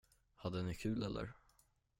Hade ni kul eller?